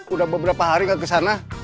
udah beberapa hari gak kesana